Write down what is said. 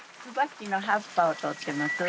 椿の葉っぱを取ってます。